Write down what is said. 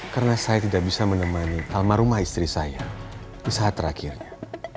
karena saya tidak bisa menemani kalmarumah istri saya di saat terakhirnya